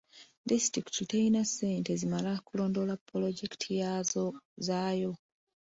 Disitulikiti telina ssente zimala kulondoola pulojekiti zaayo.